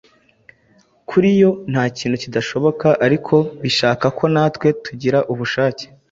Kuri yo nta kintu kidashoboka ariko bishaka ko natwe tugira ubushake